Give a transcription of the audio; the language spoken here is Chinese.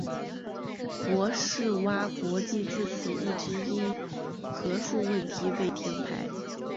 博士蛙国际自此一直因核数问题被停牌。